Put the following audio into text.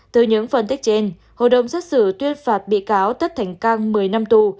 từ những phân tích trên hội đồng xét xử tuyên phạt bị cáo tất thành cang một mươi năm tù